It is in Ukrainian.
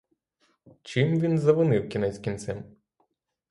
Чим він завинив кінець кінцем!